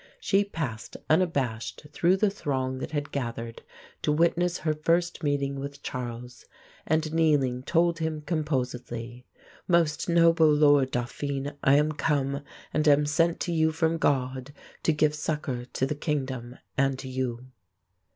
She passed unabashed through the throng that had gathered to witness her first meeting with Charles, and kneeling told him composedly, "Most noble Lord Dauphin, I am come, and am sent to you from God to give succor to the kingdom and to you."